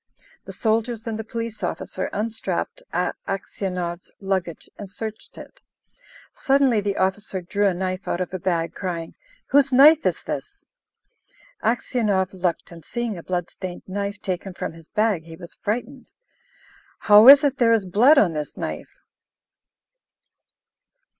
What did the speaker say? The soldiers and the police officer unstrapped Aksionov's luggage and searched it. Suddenly the officer drew a knife out of a bag, crying, "Whose knife is this?" Aksionov looked, and seeing a blood stained knife taken from his bag, he was frightened. "How is it there is blood on this knife?"